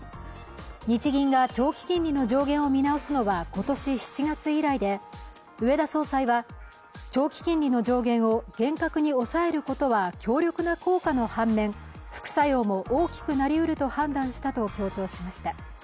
日銀が長期金利の上限を見直すのは今年７月以来で植田総裁は長期金利の上限を厳格に抑えることは強力な効果の反面、副作用も大きくなりうると判断したと強調しました。